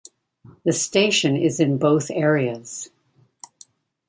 The station is in both areas.